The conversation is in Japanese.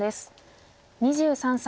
２３歳。